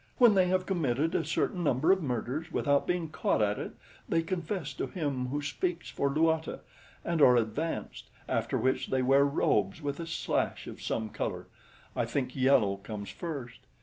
When they have committed a certain number of murders without being caught at it, they confess to Him Who Speaks for Luata and are advanced, after which they wear robes with a slash of some color I think yellow comes first.